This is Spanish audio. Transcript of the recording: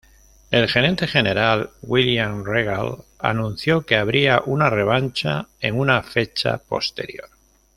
El Gerente General William Regal, anunció que habría una revancha en una fecha posterior.